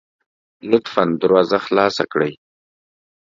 لطفا دروازه خلاصه کړئ